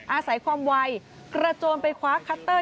อาศัยความไวกระโจนไปคว้าคัตเตอร์